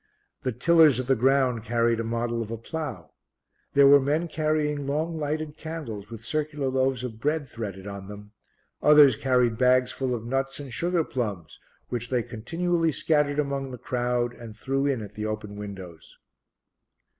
The Tillers of the Ground carried a model of a plough. There were men carrying long lighted candles with circular loaves of bread threaded on them; others carried bags full of nuts and sugar plums which they continually scattered among the crowd and threw in at the open windows.